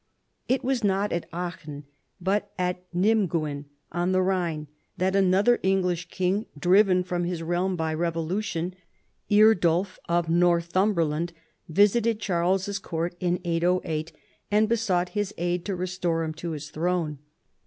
It was not at Aachen but at Niraguen on the Rhine that another English king, driven from his realm bv revolution, Eardulf of JSTorthuraberland, visited Charles's court in 808 and besought his aid to restore him to his throne.